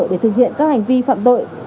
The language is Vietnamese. để thực hiện các hành vi phạm tội